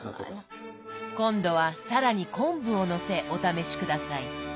今度は更に昆布をのせお試し下さい。